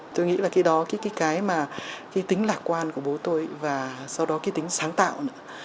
tôi nghĩ là cái đó cái mà cái tính lạc quan của bố tôi và sau đó cái tính sáng tạo nữa